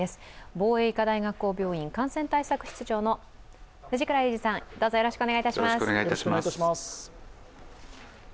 防衛医科大学校病院感染対策室長の藤倉雄二さん、よろしくお願いします。